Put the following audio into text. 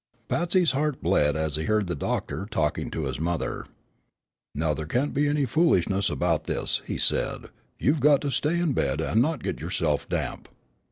Patsy's heart bled as he heard the doctor talking to his mother: "Now, there can't be any foolishness about this," he said. "You've got to stay in bed and not get yourself damp."